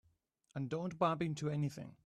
And don't bump into anything.